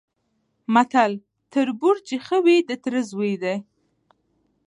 متل: تربور چي ښه وي د تره زوی دی؛